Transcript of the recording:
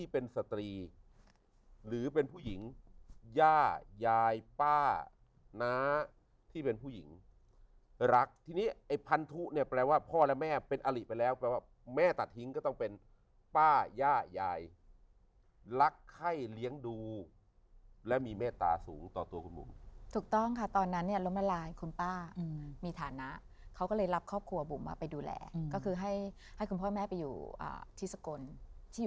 เป็นสตรีหรือเป็นผู้หญิงย่ายายป้าน้าที่เป็นผู้หญิงรักทีนี้ไอ้พันธุเนี่ยแปลว่าพ่อและแม่เป็นอลิไปแล้วแปลว่าแม่ตัดทิ้งก็ต้องเป็นป้าย่ายายรักไข้เลี้ยงดูและมีเมตตาสูงต่อตัวคุณบุ๋มถูกต้องค่ะตอนนั้นเนี่ยล้มละลายคุณป้ามีฐานะเขาก็เลยรับครอบครัวบุ๋มมาไปดูแลก็คือให้ให้คุณพ่อแม่ไปอยู่ที่สกลที่